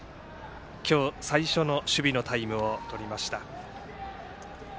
今日、最初の守備のタイムをとりました。